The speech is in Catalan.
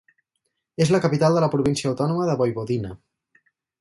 És la capital de la província autònoma de Voivodina.